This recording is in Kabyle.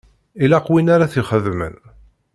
Ilaq win ara t-ixedmen.